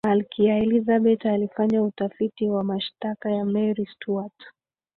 malkia elizabeth alifanya utafiti wa mashitaka ya mary stuart